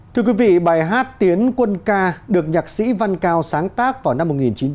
thưa quý vị bài hát tiến quân ca được nhạc sĩ văn cao sáng tác vào năm một nghìn chín trăm bảy mươi